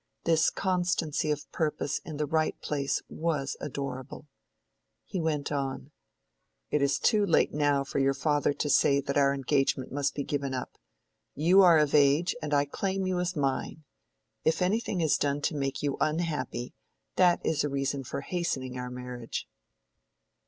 This constancy of purpose in the right place was adorable. He went on:— "It is too late now for your father to say that our engagement must be given up. You are of age, and I claim you as mine. If anything is done to make you unhappy,—that is a reason for hastening our marriage."